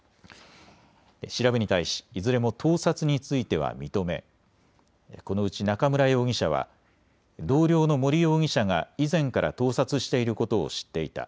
調べに対しいずれも盗撮については認めこのうち中村容疑者は同僚の森容疑者が以前から盗撮していることを知っていた。